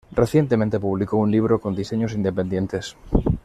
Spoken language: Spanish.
Recientemente publicó un libro con diseños independientes.